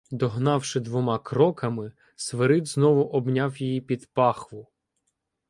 Догнавши двома кроками, Свирид знову обняв її під пахву.